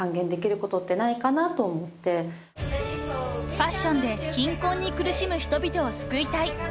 ［ファッションで貧困に苦しむ人々を救いたい］